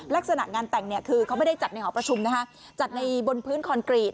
ลักษณะงานแต่งเนี่ยคือเขาไม่ได้จัดในหอประชุมนะฮะจัดในบนพื้นคอนกรีต